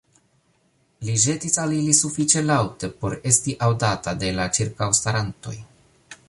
li ĵetis al ili sufiĉe laŭte, por esti aŭdata de la ĉirkaŭstarantoj.